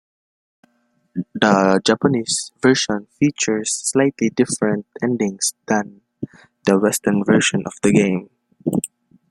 The Japanese version features slightly different endings than the western version of the game.